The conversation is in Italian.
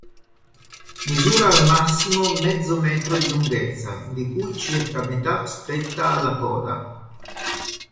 Misura al massimo mezzo metro di lunghezza, di cui circa metà spetta alla coda.